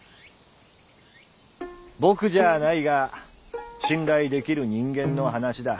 僕じゃあないが信頼できる人間の話だ。